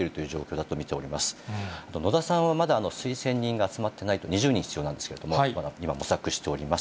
あと、野田さんはまだ推薦人が集まっていないと、２０人必要なんですけれども、まだ今、模索しております。